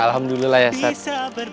alhamdulillah ya ustadz